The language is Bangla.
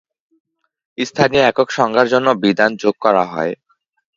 স্থানীয় একক সংজ্ঞার জন্য বিধান যোগ করা হয়।